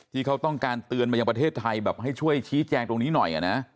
ที่เขาต้องการเตือนมายังประเทศไทยแบบให้ช่วยชี้แจงตรงนี้หน่อยนะ